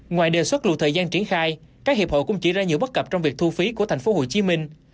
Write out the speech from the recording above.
ngoài đề xuất lùi thời gian triển khai các hiệp hội cũng chỉ ra nhiều bất cập trong việc thu phí của thành phố hồ chí minh